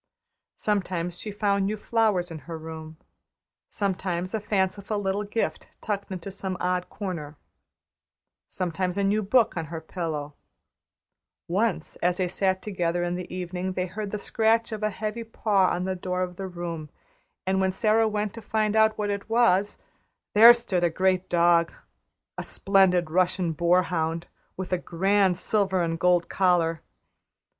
Sometimes she found new flowers in her room; sometimes a fanciful little gift tucked into some odd corner, sometimes a new book on her pillow; once as they sat together in the evening they heard the scratch of a heavy paw on the door of the room, and when Sara went to find out what it was, there stood a great dog a splendid Russian boar hound with a grand silver and gold collar.